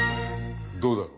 どうだ？